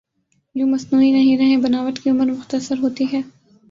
یوں مصنوعی نہیں رہیں بناوٹ کی عمر مختصر ہوتی ہے۔